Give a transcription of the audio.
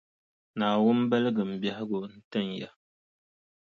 Naawuni baligimi biɛhigu n-tin ya.